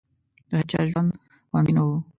د هېچا ژوند خوندي نه وو.